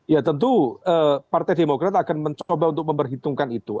ya tentu partai demokrat akan mencoba untuk memperhitungkan itu